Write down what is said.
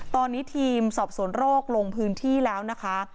ตอนนี้ทีมสอบสวนโรคลงพื้นที่แล้วนะคะ